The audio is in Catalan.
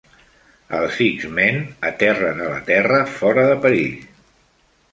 Els X-Men aterren a la Terra fora de perill.